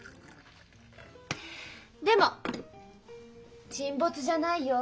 でも沈没じゃないよ。